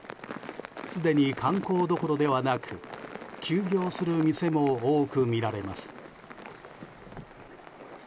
すでに観光どころではなく休業する店も多く見られます。